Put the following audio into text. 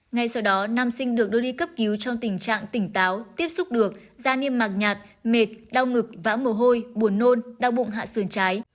ngay sau đó nam sinh được đưa đi cấp cứu trong tình trạng tỉnh táo tiếp xúc được da niêm mạc nhạt mệt đau ngực vã mồ hôi buồn nôn đau bụng hạ sườn trái